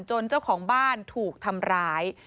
เจ้าของบ้านถูกทำร้าย